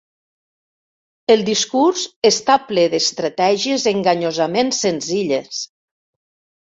El discurs està ple d'estratègies enganyosament senzilles.